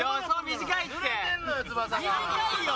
短いよ。